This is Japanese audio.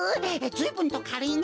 ずいぶんとかるいな。